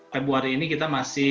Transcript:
februari ini kita masih